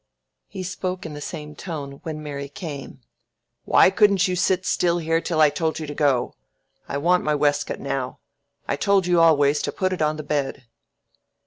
He spoke in the same tone when Mary came. "Why couldn't you sit still here till I told you to go? I want my waistcoat now. I told you always to put it on the bed."